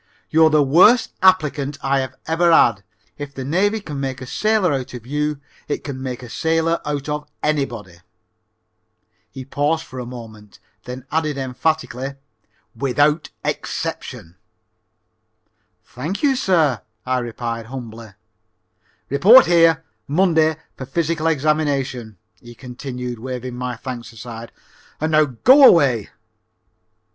You're the worst applicant I have ever had. If the Navy can make a sailor out of you it can make a sailor out of anybody"; he paused for a moment, then added emphatically, "without exception." "Thank you, sir," I replied humbly. "Report here Monday for physical examination," he continued, waving my thanks aside. "And now go away." [Illustration: "'DO YOU ENLIST FOR FOREIGN SERVICE?' HE SNAPPED.